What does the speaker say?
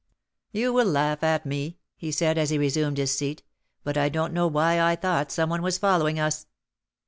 "You will laugh at me," he said, as he resumed his seat, "but I don't know why I thought some one was following us."